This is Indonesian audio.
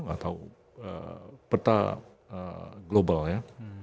atau peta global ya